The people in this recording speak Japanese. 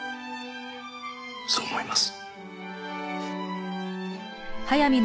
そう思います。